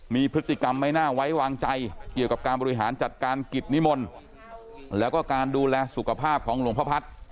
มีพฤติกรรมไม่น่าไว้วางใจเกี่ยวกับการบริหารจัดการกิจนิมนต์แล้วก็การดูแลสุขภาพของหลวงพ่อพัฒน์